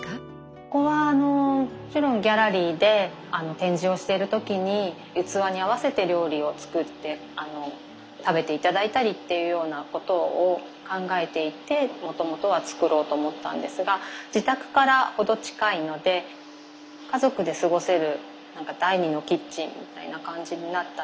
ここはもちろんギャラリーで展示をしてる時に器に合わせて料理を作って食べて頂いたりっていうようなことを考えていてもともとは作ろうと思ったんですが自宅から程近いのでと思って作りました。